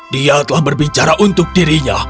dia telah berbicara untuk dirinya